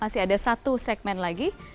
masih ada satu segmen lagi